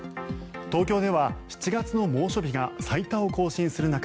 東京では７月の猛暑日が最多を更新する中